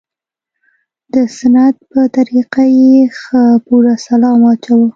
د سنت په طريقه يې ښه پوره سلام واچاوه.